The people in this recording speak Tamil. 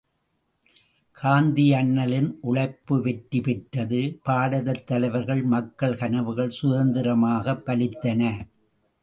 காந்தியண்ணலின் உழைப்பு வெற்றி பெற்றது பாரதத்தலைவர்கள், மக்கள் கனவுகள் சுதந்திரமாகப் பலித்தன.